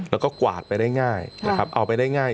แล้วก็กวาดไปได้ง่ายนะครับเอาไปได้ง่าย